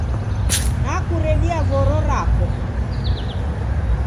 Nakuredia voro rako